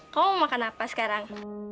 kamu makan apa sekarang